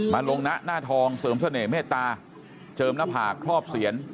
ลงนะหน้าทองเสริมเสน่หมเมตตาเจิมหน้าผากครอบเสียน